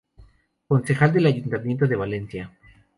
Concejal del Ayuntamiento de Valencia.